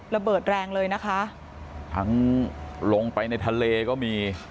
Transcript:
ระเบิดแรงเลยนะคะทั้งลงไปในทะเลก็มี